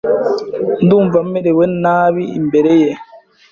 Ndumva merewe nabi imbere ye.